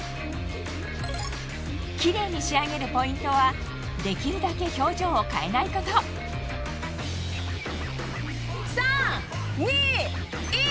キレイに仕上げるポイントはできるだけ表情を変えないこと３・２・１！